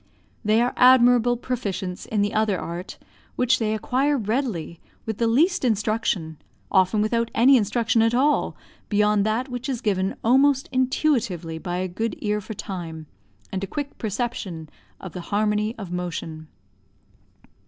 They are admirable proficients in the other art, which they acquire readily, with the least instruction, often without any instruction at all, beyond that which is given almost intuitively by a good ear for time, and a quick perception of the harmony of motion.